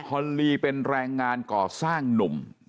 ฮอลลีเป็นแรงงานก่อสร้างหนุ่ม